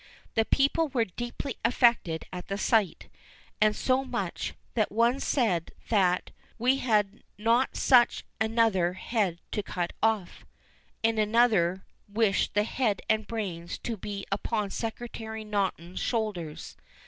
The people were deeply affected at the sight, and so much, that one said that "we had not such another head to cut off;" and another "wished the head and brains to be upon Secretary Naunton's shoulders."